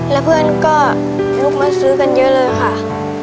แล้วเพื่อนก็ลุกมาซื้อกันเยอะเลยค่ะ